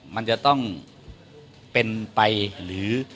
มันจะต้องเป็นไปหรือ